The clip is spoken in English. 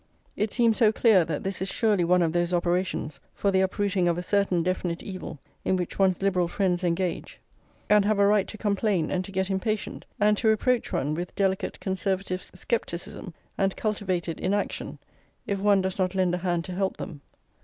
It seems so clear that this is surely one of those operations for the uprooting of a certain definite evil in which one's Liberal friends engage, and have a right to complain and to get impatient and to reproach one with delicate Conservative scepticism and cultivated inaction if one does not lend a hand to help them.